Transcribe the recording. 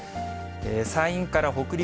山陰から北陸、